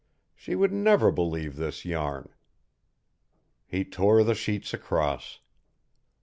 She would never believe this yarn. He tore the sheets across.